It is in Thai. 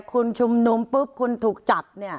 คุณชุมนุมปุ๊บคุณถูกจับเนี่ย